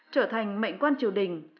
trở thành mệnh quan triều đình